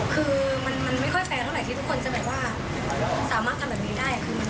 คือมีประภองของเราแบบมันก็ไม่ได้ทั้งคุณภาพ